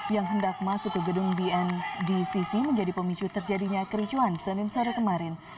yang hendak masuk ke gedung bndcc menjadi pemicu terjadinya kericuan senin sore kemarin